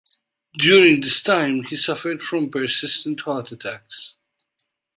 During this time, he suffered from persistent heart attacks.